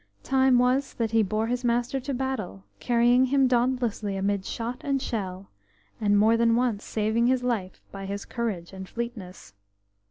"Time was that he bore his master to battle, carrying him dauntlessly amid shot and shell, and more than once saving his life by his courage and fleetness.